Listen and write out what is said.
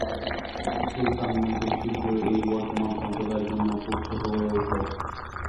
সুলতান মসজিদ শীঘ্রই এই বর্ধমান সম্প্রদায়ের জন্য খুব ছোট হয়ে উঠল।